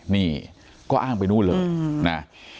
นี่ก็อ้างไปนู่นเลยนะ